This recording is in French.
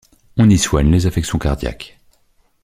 On y soigne les affections cardiaques.